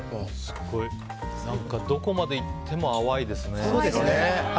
どこまでいっても淡いですね。